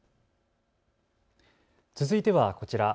続いてはこちら。